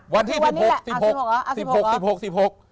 วันที่สิบหก๑๖